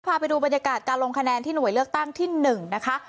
พาไปดูบรรยากาศการลงคะแนนที่หน่วยเลือกตั้งที่๑นะคะ